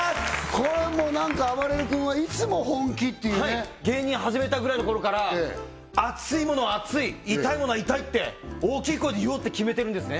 これもうなんかあばれる君はいつも本気っていうね芸人始めたぐらいの頃から熱いものは熱い痛いものは痛いって大きい声で言おうって決めてるんですね